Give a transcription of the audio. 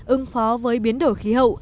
ứng phó với biến đổi khí hệ